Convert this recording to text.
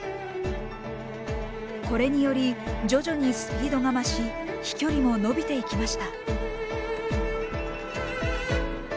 これにより徐々にスピードが増し飛距離も伸びていきました。